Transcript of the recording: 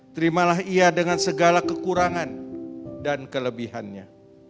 terimalah ia dengan segala kekurangan dan kelebihannya